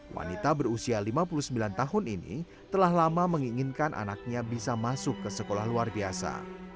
wanita berusia lima puluh sembilan tahun ini telah lama menginginkan anaknya bisa masuk ke sekolah luar biasa